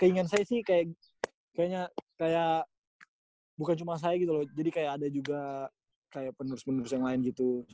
keinginan saya sih kayak bukan cuma saya gitu loh jadi kayak ada juga kayak penerus penerus yang lain gitu